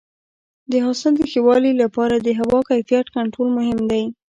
د حاصل د ښه والي لپاره د هوا کیفیت کنټرول مهم دی.